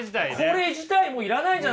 これ自体もう要らないんじゃないか。